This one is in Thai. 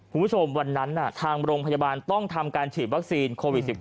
คุณผู้ชมวันนั้นทางโรงพยาบาลต้องทำการฉีดวัคซีนโควิด๑๙